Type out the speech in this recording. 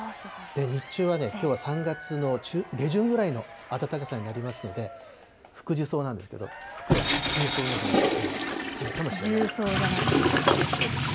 日中はね、きょうは３月の下旬ぐらいの暖かさになりますので、福寿草なんですけど、服は軽装のほうがきょうはいいかもしれません。